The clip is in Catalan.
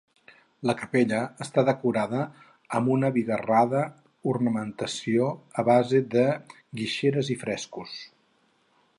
La capella està decorada amb una bigarrada ornamentació a base de guixeries i frescos.